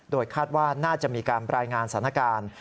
โดยคาดว่าน่าจะมีการรายงานสถานการณ์